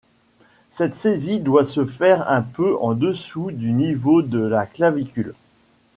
Cette saisie doit se faire un peu en dessous du niveau de la clavicule.